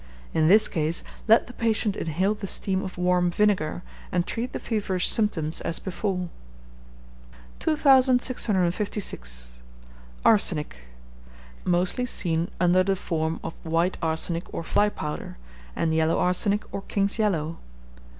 In this case let the patient inhale the steam of warm vinegar, and treat the feverish symptoms as before. 2656. Arsenic. Mostly seen under the form of white arsenic, or fly powder, and yellow arsenic, or king's yellow.